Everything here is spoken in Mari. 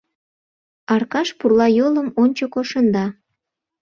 — Аркаш пурла йолым ончыко шында.